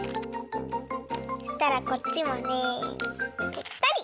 そしたらこっちもねぺったり！